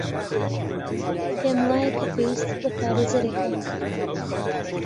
پێم وایە کە پێویستت بە پارێزەرێکە.